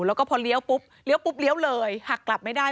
แล้วก็พอเลี้ยวปุ๊บเลี้ยวปุ๊บเลี้ยวเลยหักกลับไม่ได้